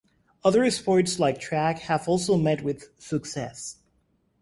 Other sports like track have also met with success.